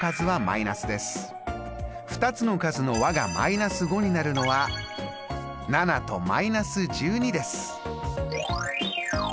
２つの数の和が−５になるのは７と−１２です！